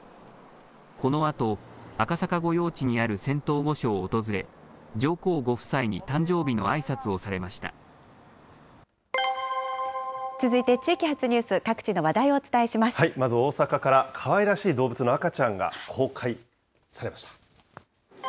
このあと、赤坂御用地にある仙洞御所を訪れ、上皇ご夫妻に誕生日続いて地域発ニュース、各地まず大阪から、かわいらしい動物の赤ちゃんが公開されました。